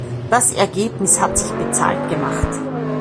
Das Ergebnis hat sich bezahlt gemacht.